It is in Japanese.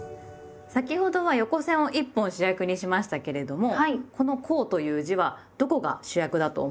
先ほどは横線を１本主役にしましたけれどもこの「香」という字はどこが主役だと思いますか？